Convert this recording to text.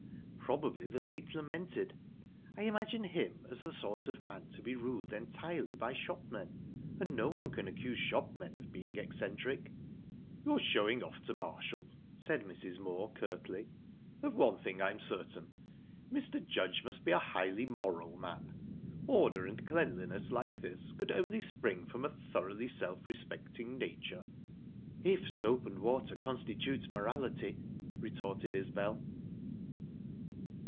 Probably the late lamented. I imagine him as the sort of man to be ruled entirely by shopmen, and no one can accuse shopmen of being eccentric." "You're showing off to Marshall," said Mrs. Moor curtly. "Of one thing I'm certain. Mr. Judge must be a highly moral man. Order and cleanliness like this could only spring from a thoroughly self respecting nature." "If soap and water constitute morality," retorted Isbel.